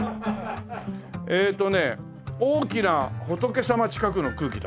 ええっとね「大きな仏様近くの空気」だって。